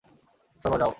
চলো - যাও।